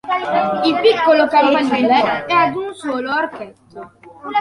Il piccolo campanile è ad un solo archetto.